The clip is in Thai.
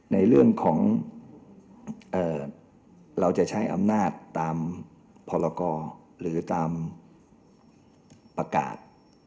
ในเรื่องของเราจะใช้อำนาจตามพรกรหรือตามประกาศ